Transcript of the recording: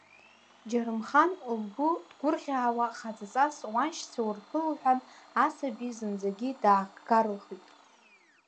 Џьарымхан лгәы ҭгәырӷьаауа, хаҵаҵас уаншьцәа урԥыл лҳәан, асаби зынӡагьы даагарылхит.